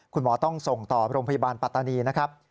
คุณหมอต้องส่งต่อโรงพยาบาลปัตตานีนะครับ